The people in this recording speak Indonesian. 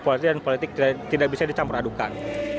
politik dan politik tidak bisa dicampur adukan